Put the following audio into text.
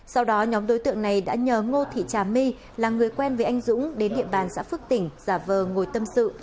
sau đó nhóm đối tượng này đã nhờ ngô thị trà my là người quen với anh dũng đến địa bàn xã phước tỉnh giả vờ ngồi tâm sự